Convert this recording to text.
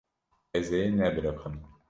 Ez ê nebiriqim.